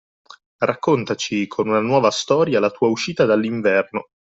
Raccontaci con una nuova storia la tua uscita dall’inverno.